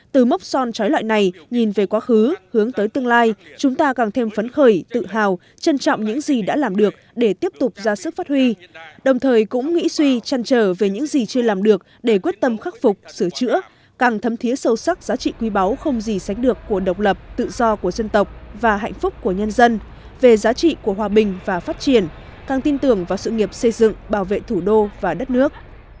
từ mốc son trói loại này nhìn về quá khứ hướng tới tương lai chúng ta càng thêm phấn khởi tự hào trân trọng những gì đã làm được để tiếp tục ra sức phát huy đồng thời cũng nghĩ suy chăn trở về những gì chưa làm được để quyết tâm khắc phục sửa chữa càng thấm thiế sâu sắc giá trị quy báo không gì sánh được của độc lập tự do của dân tộc và hạnh phúc của nhân dân về giá trị của hòa bình và phát triển càng tin tưởng vào sự nghiệp xây dựng bảo vệ thủ đô và đất nước